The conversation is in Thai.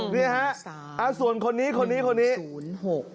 ๙๑๓๑๐๖นี่ฮะส่วนคนนี้คนนี้คนนี้คนนี้